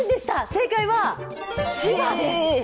正解は千葉です。